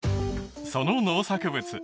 その農作物